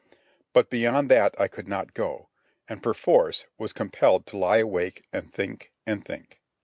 But beyond that I could not go, and, perforce, was compelled to lie awake and think and think.